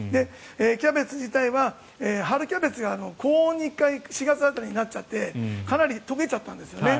キャベツ自体は春キャベツ高温に４月ぐらいになっちゃってかなり溶けちゃったんですよね。